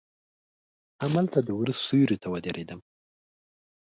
هملته د وره سیوري ته ودریدم.